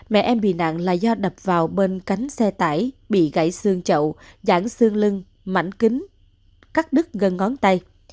mẹ em bị nạn là do đập vào bên cánh xe tải bị gãy xương chậu giãn xương lưng mảnh kính cắt đứt gần ngón tay